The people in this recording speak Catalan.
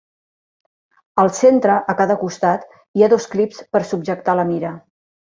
Al centre, a cada costat, hi ha dos clips per subjectar la mira.